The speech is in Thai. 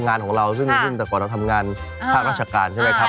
งานของเราซึ่งแต่ก่อนเราทำงานภาคราชการใช่ไหมครับ